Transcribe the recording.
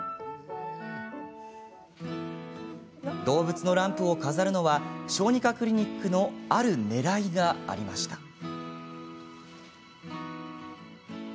動物のランプを飾るのは小児科クリニックのあるねらいがありました。